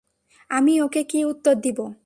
আমি ওকে কী উত্তর দিবো?